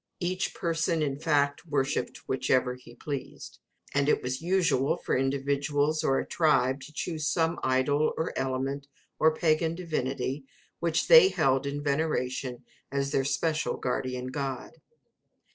Each person, in fact, worshipped whichever he pleased. And it was usual for individuals, or a tribe, to choose some idol, or element, or pagan divinity, which they held in veneration as their special guardian god.